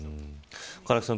唐木さん